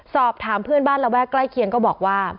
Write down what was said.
สอบถามเพื่อนบ้านระแวกใกล้เคียงก็บอกว่า